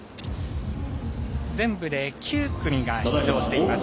全部で９組が出場しています。